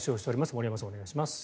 森山さん、お願いします。